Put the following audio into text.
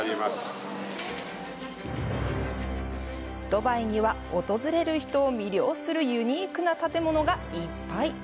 ドバイには、訪れる人を魅了するユニークな建物がいっぱい。